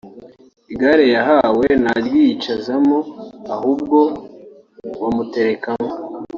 Igare yahawe ntaryiyicazamo ahubwo bamuterekamo